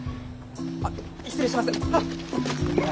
あっ失礼します！